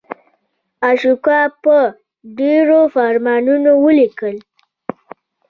اشوکا په ډبرو فرمانونه ولیکل.